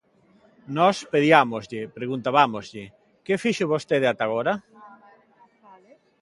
Nós pediámoslle, preguntabámoslle: ¿que fixo vostede ata agora?